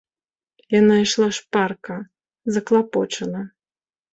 Яна ішла шпарка, заклапочана.